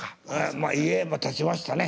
まあ家も建ちましたね。